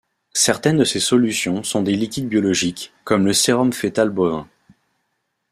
Certaines de ces solutions sont des liquides biologiques, comme le sérum fœtal bovin.